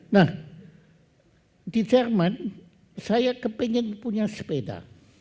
nah di jerman saya kepengen punya sepeda